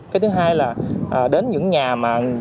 cái thứ hai là đến những nhà mà